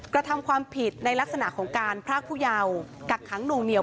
กระทำความผิดในลักษณะของการพรากผู้เยาว์กักขังหน่วงเหนีย